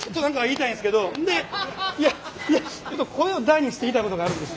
いや声を大にして言いたいことがあるんです。